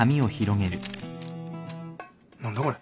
何だこれ。